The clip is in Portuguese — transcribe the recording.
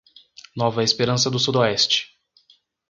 Nova Esperança do Sudoeste